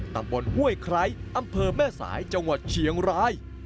ตำบลห้วยไคร้อำเภอแม่สายจังหวัดเชียงราย